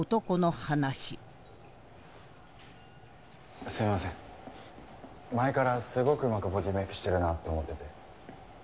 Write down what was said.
前からすごくうまくボディメイクしてるなと思ってて。